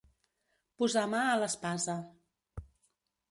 Posar mà a l'espasa.